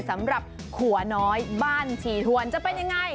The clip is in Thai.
สำหรับขัวน้อยบ้านฉี่ทวนจะเป็นยังไง